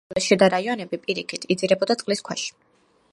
კუნძულის შიდა რაიონები, პირიქით, იძირებოდა წყლის ქვეშ.